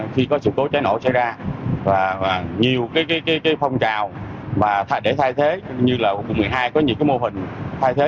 khi có sự cố cháy nổ xảy ra nhiều phong trào để thay thế như là quận một mươi hai có nhiều mô hình thay thế